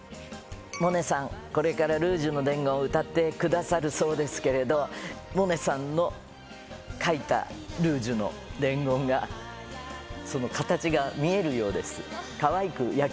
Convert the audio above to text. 萌音さん、これからルージュの伝言を歌ってくださるそうですけれど、萌音さんの書いたルージュの伝言が、その形が見えるようです。